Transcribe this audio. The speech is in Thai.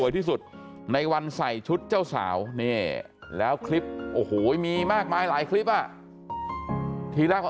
แต่นี่หลายคลิปมากนะคะ